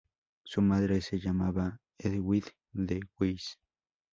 Su madre se llamaba Hedwig de Guise.